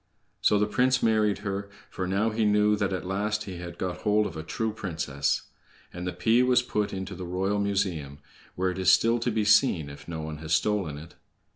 So the prince married her, for now he knew that at last he had got hold of a true princess. And the pea was put into the Royal Museum, where it is still to be seen if no one has stolen it.